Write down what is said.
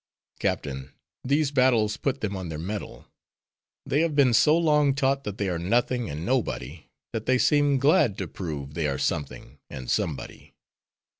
"Captain, these battles put them on their mettle. They have been so long taught that they are nothing and nobody, that they seem glad to prove they are something and somebody."